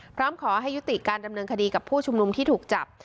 พร้อมขอให้ยุติการดำเนินคดีกับผู้ชุมนุมที่ถูกจับ